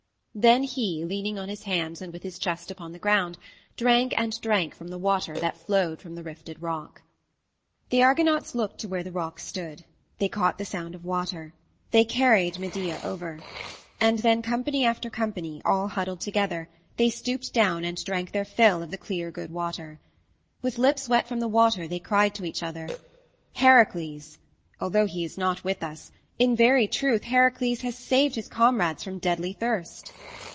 Then he, leaning on his hands and with his chest upon the ground, drank and drank from the water that flowed from the rifted rock. The Argonauts looked to where the rock stood. They caught the sound of water. They carried Medea over. And then, company after company, all huddled together, they stooped down and drank their fill of the clear good water. With lips wet with the water they cried to each other, "Heracles! Although he is not with us, in very truth Heracles has saved his comrades from deadly thirst!"